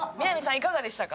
いかがでしたか？